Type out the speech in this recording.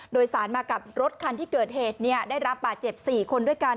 โดยสารมากับรถคันที่เกิดเหตุได้รับบาดเจ็บ๔คนด้วยกัน